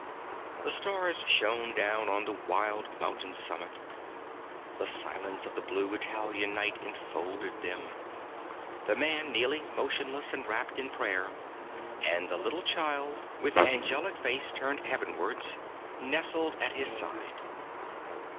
The stars shone down on the wild mountain summit; the silence of the blue Italian night enfolded them — the man kneeling motionless and rapt in prayer, and the little child, with 46 ST. BENEDICT angelic face turned heavenwards, nestling at his side.